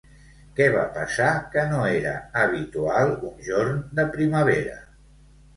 Què va passar, que no era habitual, un jorn de primavera?